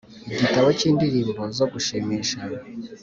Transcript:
igitabo cyindirimbo zo gushimisha